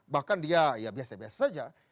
bahkan dia ya biasa biasa saja